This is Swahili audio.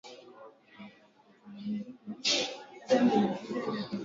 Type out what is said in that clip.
Kiazi lishe ukikikata kina rangi ya chungwa ndani